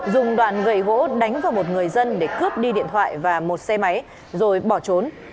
dùng đoạn gậy gỗ đánh vào một người dân để cướp đi điện thoại và một xe máy rồi bỏ trốn